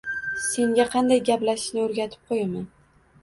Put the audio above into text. Senga qanday gaplashishni oʻrgatib qoʻyaman.